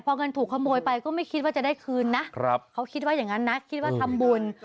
พอเงินถูกขโมยไปก็ไม่คิดว่าจะได้คืนนะเขาคิดว่าอย่างนั้นนะคิดว่าทำบุญ